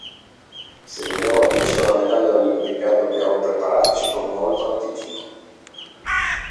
Se vogliamo vincere una medaglia olimpica, dobbiamo prepararci con molto anticipo.